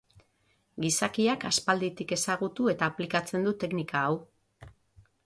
Gizakiak aspalditik ezagutu eta aplikatzen du teknika hau.